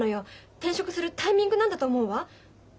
転職するタイミングなんだと思うわ。